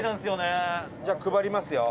じゃあ、配りますよ。